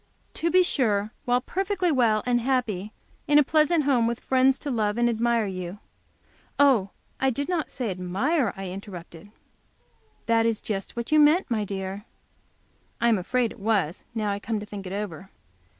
"To be sure, while perfectly well and happy, in a pleasant home; with friends to love and admire you " "Oh, I did not say admire," I interrupted. "That was just what you meant, my dear." I am afraid it was, now I come to think it over.